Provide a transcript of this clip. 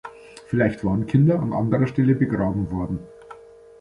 Vielleicht waren Kinder an anderer Stelle begraben worden.